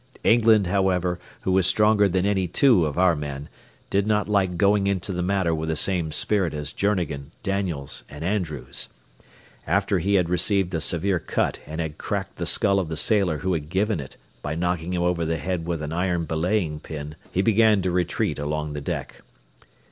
England, however, who was stronger than any two of our men, did not like going into the matter with the same spirit as Journegan, Daniels, and Andrews. After he had received a severe cut and had cracked the skull of the sailor who had given it by knocking him over the head with an iron belaying pin, he began to retreat along the deck.